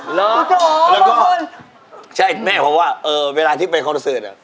หรือแล้วก็ใช่แม่ของผมว่าเออเวลาที่ไปคอนเซิร์ต